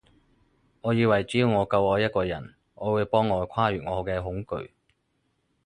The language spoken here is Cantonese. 我以為只要我夠愛一個人，愛會幫我跨越我嘅恐懼